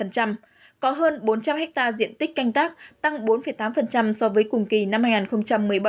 có hơn bốn trăm linh hectare diện tích canh tác tăng bốn tám so với cùng kỳ năm hai nghìn một mươi bảy